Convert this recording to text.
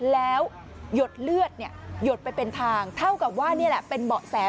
แล้วหยดเลือดหยดไปเป็นทางเท่ากับว่านี่แหละเป็นเบาะแส